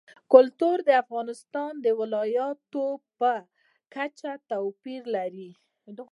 کلتور د افغانستان د ولایاتو په کچه توپیر لري.